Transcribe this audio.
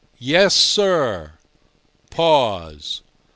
"Yes, sir." Pause.